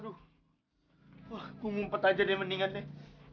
aduh wah gue ngumpet aja deh mendingan deh